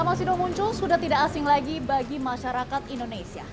nama sido muncul sudah tidak asing lagi bagi masyarakat indonesia